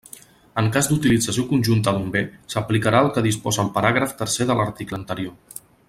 En cas d'utilització conjunta d'un bé, s'aplicarà el que disposa el paràgraf tercer de l'article anterior.